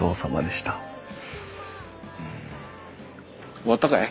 終わったかい？